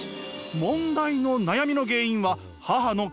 問題の悩みの原因は母の禁断の恋。